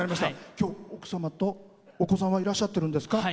今日奥様とお子さんはいらっしゃってるんですか？